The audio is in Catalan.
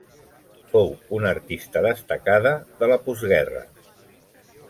Fou una artista destacada de la postguerra.